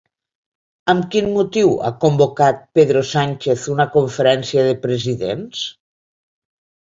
Amb quin motiu ha convocat Pedro Sánchez una conferència de presidents?